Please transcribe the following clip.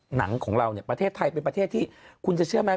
หนังของเราเนี่ยประเทศไทยเป็นประเทศที่คุณจะเชื่อไหม